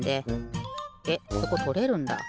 えっそことれるんだ。